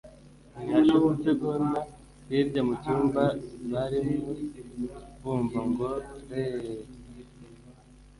ntihashize isegonda hirya mu cyumba bariramo bumva ngo" reeeeeeeeeee".